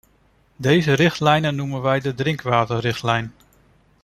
Deze richtlijn noemen wij de drinkwaterrichtlijn.